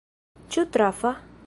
Ĉu trafa?